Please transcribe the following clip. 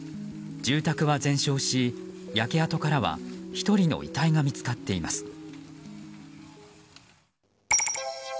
住宅は全焼し、焼け跡からは１人の遺体が見つかっています。